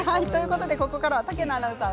ここからは竹野アナウンサー